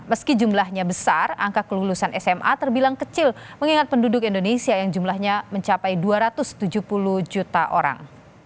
meski jumlahnya besar angka kelulusan sma terbilang kecil mengingat penduduk indonesia yang jumlahnya mencapai dua ratus tujuh puluh juta orang